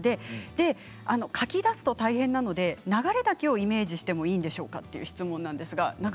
書き出すと大変なので流れだけをイメージしてもいいですかという質問です。